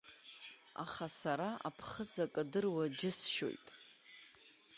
Аха сара аԥхыӡ акы адыруа џьысшьоит.